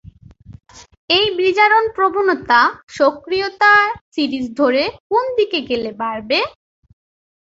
এই বিজারণ প্রবণতা, সক্রিয়তা সিরিজ ধরে কোন দিকে গেলে বাড়বে?